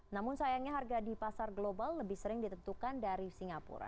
namun sayangnya harga di pasar global lebih sering ditentukan dari singapura